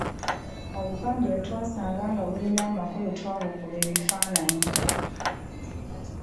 Obupande bwe twasanga nga bulina amakulu twabukuba ebifaananyi.